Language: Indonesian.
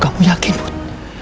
kamu yakin put